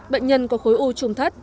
bệnh nhân có khối u trung thất